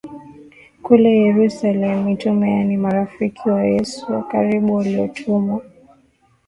kule Yerusalemu Mitume yaani marafiki wa Yesu wa karibu waliotumwa